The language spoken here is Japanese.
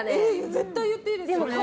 絶対言っていいですよ。